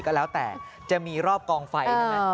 ก็แล้วแต่จะมีรอบกองไฟ